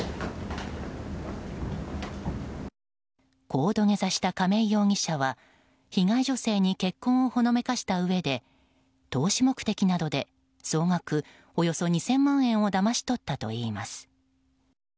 こう土下座した亀井容疑者は被害女性に結婚をほのめかしたうえで投資目的などで総額およそ２０００万円をだまし取ったといいます。